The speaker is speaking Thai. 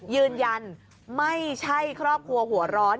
ยืนยันไม่ใช่ครอบครัวหัวร้อน